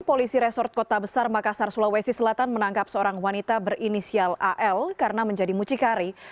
polisi resort kota besar makassar sulawesi selatan menangkap seorang wanita berinisial al karena menjadi mucikari